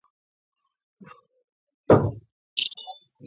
اوس خو دادی دغه ځای زه په خپلو سترګو ګورم.